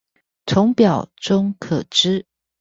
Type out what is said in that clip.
從表中可知